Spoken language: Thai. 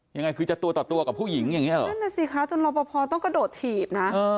ยังไงคือจะตัวต่อตัวกับผู้หญิงอย่างเงี้เหรอนั่นน่ะสิคะจนรอปภต้องกระโดดถีบนะ